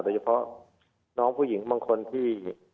โดยเฉพาะน้องผู้หญิงบางคนที่